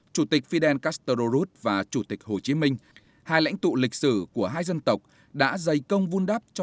chủ tịch fidel castro ruth và chủ tịch hồ chí minh hai lãnh tụ lịch sử của hai dân tộc